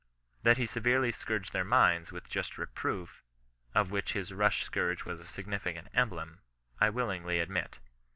That he severely scourged their minds with just reproof i of which his rush scourge was a significant em blem, I willingly admit.